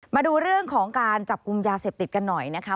มาดูเรื่องของการจับกลุ่มยาเสพติดกันหน่อยนะคะ